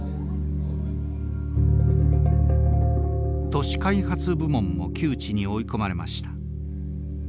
都市開発部門も窮地に追い込まれました。